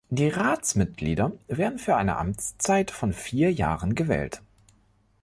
Die Ratsmitglieder werden für eine Amtszeit von vier Jahren gewählt.